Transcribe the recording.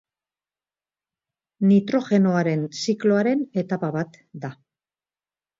Nitrogenoaren zikloaren etapa bat da.